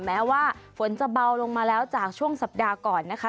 แม้ว่าฝนจะเบาลงมาแล้วจากช่วงสัปดาห์ก่อนนะคะ